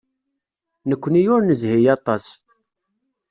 Nekkni ur nezhi aṭas.